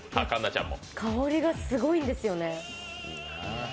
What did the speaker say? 香りがすごいんですよね。